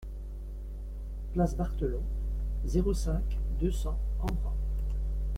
Place Barthelon, zéro cinq, deux cents Embrun